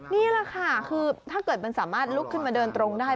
นี่แหละค่ะคือถ้าเกิดมันสามารถลุกขึ้นมาเดินตรงได้